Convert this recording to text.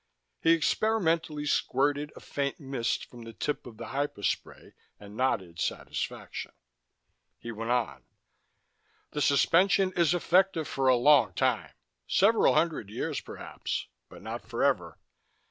He experimentally squirted a faint mist from the tip of the hypospray and nodded satisfaction. He went on: "The suspension is effective for a long time several hundred years, perhaps. But not forever.